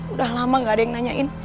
udah lama gak ada yang nanyain